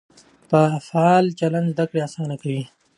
فعال چلند زده کړه اسانه کوي.